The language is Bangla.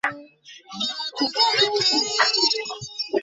আমি সিয়েরা ফোর।